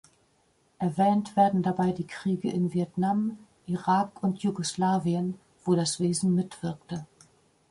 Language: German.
Erwähnt werden dabei die Kriege in Vietnam, Irak und Jugoslawien, wo das Wesen mitwirkte.